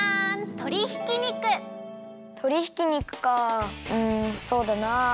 とりひき肉かあうんそうだなあ。